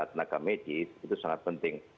tenaga medis itu sangat penting